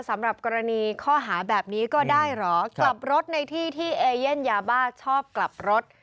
สำหรับกรณีข้อหาแบบนี้ก็ได้เหรอกลับรถในที่ที่เอเย่นยาบ้าชอบกลับรถ